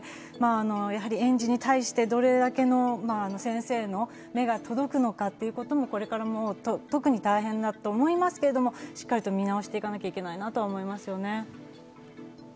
園児に対してどれだけの先生の目が届くのかということも、これから特に大変だと思いますけれども、しっかり見直していかなきゃいけないなと思いますね。